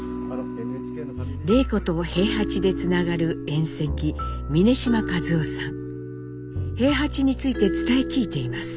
礼子と兵八でつながる遠戚兵八について伝え聞いています。